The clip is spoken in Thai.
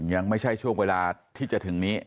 ยังไม่ใช่ช่วงเวลาที่จะถึงนี้